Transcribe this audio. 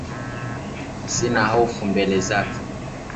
Sina hofu mbele zake.